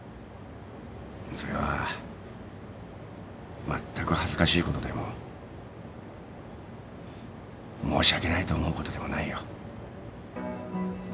それはまったく恥ずかしいことでも申し訳ないと思うことでもないよ。